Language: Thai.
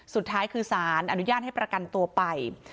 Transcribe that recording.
สุดท้ายคือสารอนุญาตให้ประกันตัวไป